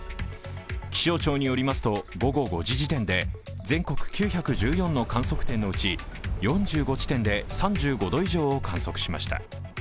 気象庁によりますと午後５時点で全国９１４の観測点のうち４５地点で３５度以上を観測しました。